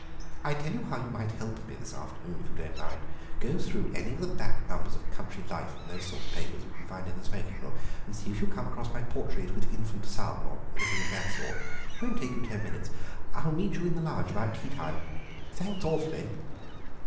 I tell you how you might help me this afternoon, if you don't mind; go through any of the back numbers of Country Life and those sort of papers that you can find in the smoking room, and see if you come across my portrait with infant son or anything of that sort. It won't take you ten minutes. I'll meet you in the lounge about tea time. Thanks awfully."